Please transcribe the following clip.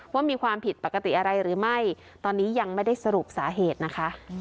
ว่ามีความผิดปกติอะไรหรือไม่ตอนนี้ยังไม่ได้สรุปสาเหตุนะคะ